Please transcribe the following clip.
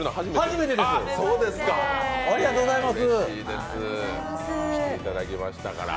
初めてですありがとうございます。